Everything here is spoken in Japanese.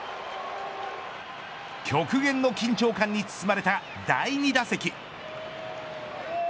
極限の緊張感に包まれた第２打席。